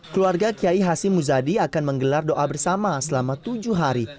keluarga kiai hasim muzadi akan menggelar doa bersama selama tujuh hari